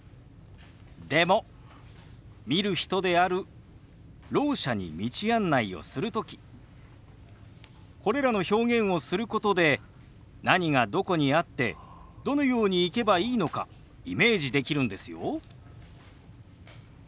でも見る人であるろう者に道案内をする時これらの表現をすることで何がどこにあってどのように行けばいいのかイメージできるんですよ。